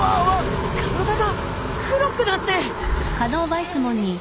体が黒くなって。